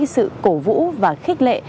sự cổ vũ và khích lệ